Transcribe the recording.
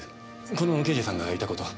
この刑事さんがいた事を。